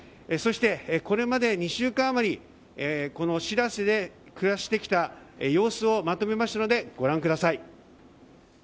これまで２週間余りこの「しらせ」で暮らしてきた様子をまとめましたのでご覧ください。